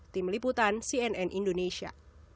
tim liputan cnn indonesia